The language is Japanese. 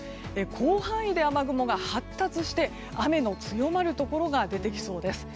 広範囲で雨雲が発達して、雨の強まるところが出てきそうです。